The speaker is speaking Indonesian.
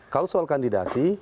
kalau soal kandidasi